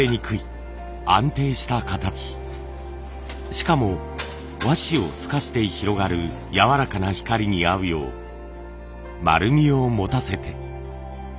しかも和紙を透かして広がるやわらかな光に合うよう丸みをもたせて。